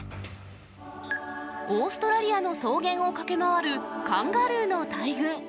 オーストラリアの草原を駆け回るカンガルーの大群。